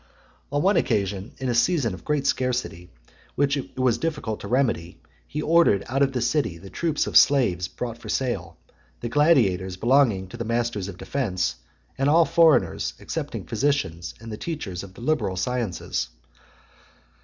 On one occasion, in a season of great scarcity, which it was difficult to remedy, he ordered out of the city the troops of slaves brought for sale, the gladiators (105) belonging to the masters of defence, and all foreigners, excepting physicians and the teachers of the liberal sciences.